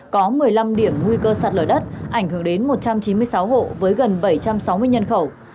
có một mươi năm điểm nguy cơ sạt lở đất ảnh hưởng đến một trăm chín mươi sáu hộ với gần bảy trăm sáu mươi nhân khẩu